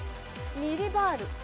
ミリバール。